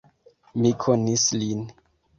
Mi konis lin.